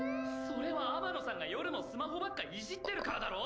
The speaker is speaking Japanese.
それは天野さんが夜もスマホばっかいじってるからだろ！？